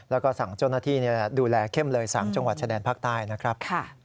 แล้วก็สั่งเจ้าหน้าที่ดูแลเข้มเลย๓จังหวัดชายแดนภาคใต้นะครับ